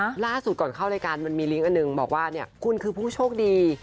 ล่าสุดก่อนเข้ารายการมันมีลิงก์อันหนึ่งบอกว่าเนี่ยคุณคือผู้โชคดี